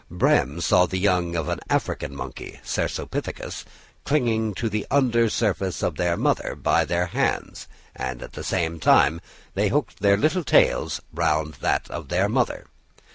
Brehm saw the young of an African monkey (Cercopithecus) clinging to the under surface of their mother by their hands, and at the same time they hooked their little tails round that of their mother.